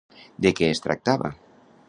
De què es tractava?